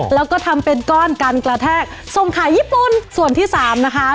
แล้วก็ทำเป็นก้อนกันกระแทกส่งขายญี่ปุ่นส่วนที่สามนะคะ